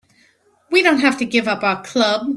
We don't have to give up our club.